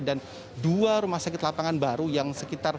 dan dua rumah sakit lapangan baru yang sekitar seratus orang